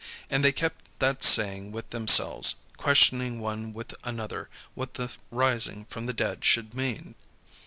And they kept that saying with themselves, questioning one with another what the rising from the dead should mean.